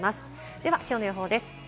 ではきょうの予報です。